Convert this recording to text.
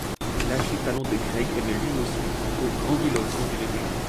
L'Achille Talon de Greg émet lui aussi des propos grandiloquents du même genre.